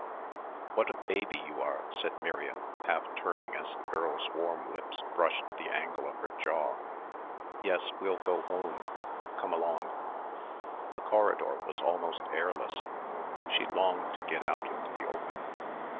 "What a baby you are," said Miriam, half turning as the girl's warm lips brushed the angle of her jaw. "Yes, we'll go home, come along." The corridor was almost airless. She longed to get out into the open.